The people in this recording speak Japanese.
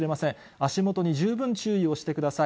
足元に十分注意をしてください。